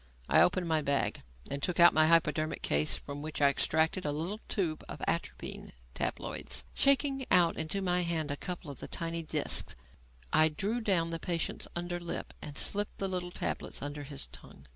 I opened my bag and took out my hypodermic case from which I extracted a little tube of atropine tabloids. Shaking out into my hand a couple of the tiny discs, I drew down the patient's under lip and slipped the little tablets under his tongue.